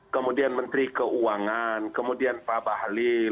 kemudian menteri keuangan kemudian pak bahlil